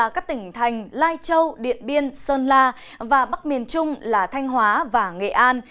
các tỉnh thành lai châu điện biên sơn la và bắc miền trung là thanh hóa và nghệ an